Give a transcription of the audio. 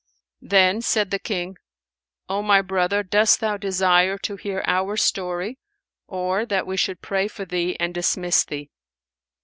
Then said the King, 'O my brother, dost thou desire to hear our story or that we should pray for thee and dismiss thee?'